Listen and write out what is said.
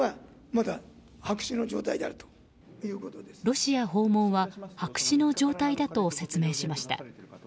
ロシア訪問は白紙の状態だと説明しました。